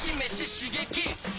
刺激！